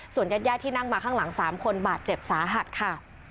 ญาติที่นั่งมาข้างหลัง๓คนบาดเจ็บสาหัสค่ะ